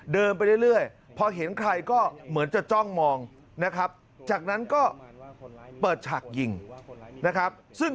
เดินไปเรื่อยพอเห็นใครก็เหมือนจะจ้องมองนะครับ